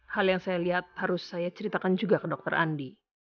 hal yang saya lihat harus saya ceritakan juga ke dokter andi